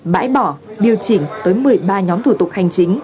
bãi bỏ điều chỉnh tới một mươi ba nhóm thủ tục hành chính